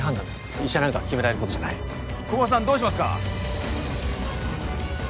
医者なんかが決められることじゃない駒場さんどうしますか？